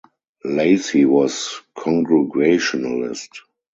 Lacy was Congregationalist.